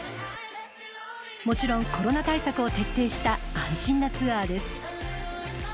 もちろんコロナ対策を徹底した安心なツアーです。